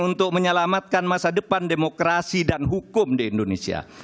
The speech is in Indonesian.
untuk menyelamatkan masa depan demokrasi dan hukum di indonesia